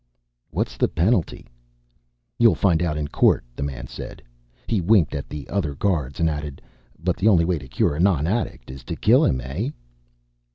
"What's the penalty?" "You'll find out in court," the man said. He winked at the other guards and added, "But the only way to cure a nonaddict is to kill him. Eh?"